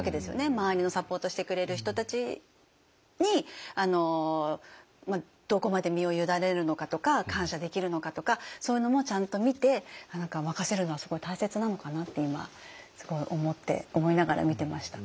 周りのサポートしてくれる人たちにどこまで身を委ねるのかとか感謝できるのかとかそういうのもちゃんと見て任せるのはすごい大切なのかなって今思いながら見てました。